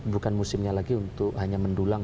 bukan musimnya lagi untuk hanya mendulang